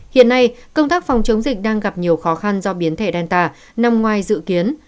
hiện nay công tác phòng chống dịch đang gặp nhiều khó khăn do biến thể đàn tà nằm ngoài dự kiến